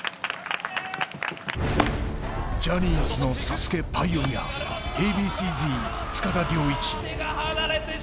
ジャニーズのＳＡＳＵＫＥパイオニアＡ．Ｂ．Ｃ−Ｚ・塚田僚一。